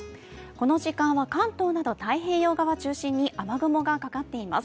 この時間は関東など太平洋側中心に雨雲がかかっています。